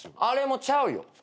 あれもちゃうよ。